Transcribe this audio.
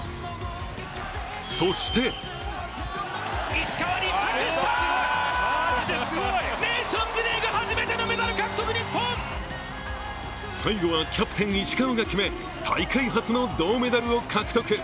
そして最後はキャプテン・石川が決め大会初の銅メダルを獲得。